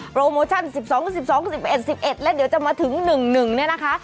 โปรโมชั่น๑๒๑๒๑๑๑๑แล้วเดี๋ยวจะมาถึง๑๑เนี่ยนะคะ